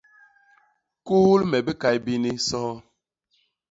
Kuhul me bikai bini, soho!